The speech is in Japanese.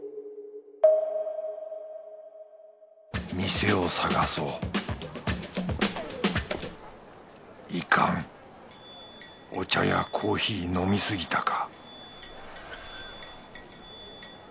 店を探そういかんお茶やコーヒー飲みすぎたか